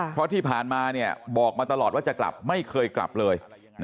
เพราะที่ผ่านมาบอกมาตลอดว่าจะกลับไม่เคยกลับเลย